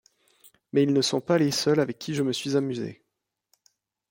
Mais ils ne sont pas les seuls avec qui je me suis amusée.